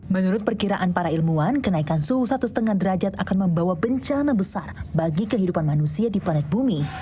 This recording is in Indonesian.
menurut perkiraan para ilmuwan kenaikan suhu satu lima derajat akan membawa bencana besar bagi kehidupan manusia di planet bumi